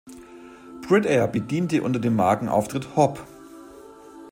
Brit Air bediente unter dem Markenauftritt Hop!